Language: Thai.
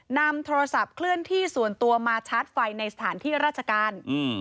นำโทรศัพท์เคลื่อนที่ส่วนตัวมาชาร์จไฟในสถานที่ราชการ